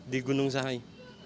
di gunung sehari